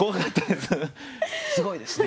すごいですね